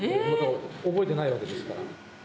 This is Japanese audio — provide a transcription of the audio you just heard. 覚えてないわけですから。